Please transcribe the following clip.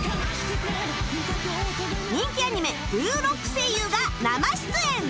人気アニメ『ブルーロック』声優が生出演